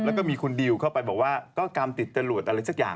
แล้วก็มีคุณดิวเข้าไปบอกว่าก็กรรมติดจรวดอะไรสักอย่าง